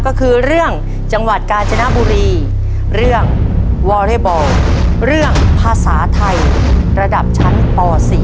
ก็คือเรื่องจังหวัดกาญจนบุรีเรื่องวอเรย์บอลเรื่องภาษาไทยระดับชั้นป๔